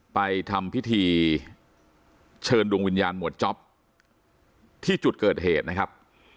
ไปทำพิธีเชิญดวงวิญญาณหมวดจ๊อปที่จุดเกิดเหตุนะครับ